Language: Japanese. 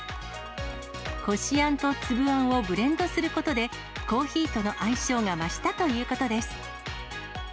こしあんと粒あんをブレンドすることで、コーヒーとの相性が増したということです。